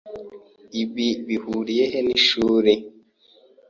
Ibi bihuriye he nishuri?